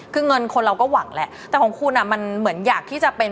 คือเงินคนเราก็หวังแหละแต่ของคุณอ่ะมันเหมือนอยากที่จะเป็น